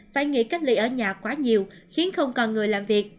phải nghỉ cách ly ở nhà quá nhiều khiến không còn người làm việc